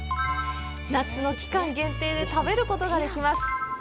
夏の期間限定で食べることができます。